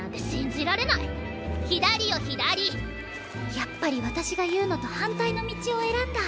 やっぱり私が言うのと反対の道を選んだ。